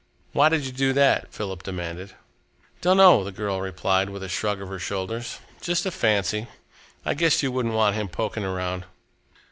"Why did you do that?" Philip demanded. "Dunno," the girl replied, with a shrug of the shoulders. "Just a fancy. I guessed you wouldn't want him poking around."